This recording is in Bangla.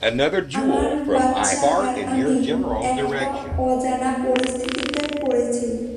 আমার বাচ্চা আর আমি একটা অজানা পরিস্থিতিতে পড়েছি।